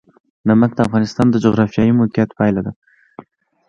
نمک د افغانستان د جغرافیایي موقیعت پایله ده.